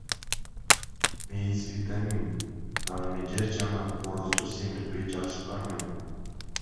Мейиз — витамин, ал эми жер жаңгак корозду семиртпей жакшы кармайт.